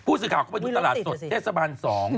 ผู้สิทธิ์ข่าก็ไปดูตลาดสดเทศบัน๒นะ